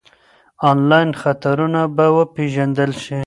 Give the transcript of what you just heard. انلاین خطرونه به وپېژندل شي.